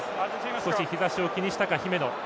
少し日ざしを気にしたか、姫野。